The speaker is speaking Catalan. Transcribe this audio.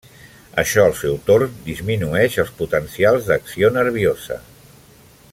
Això al seu torn, disminueix els potencials d'acció nerviosa.